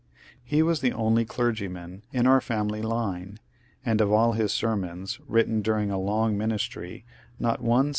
He was the only clergyman in our family line, and of all his sermons, written during a long ministry, not one ^" April 1.